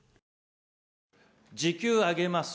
時給上げます。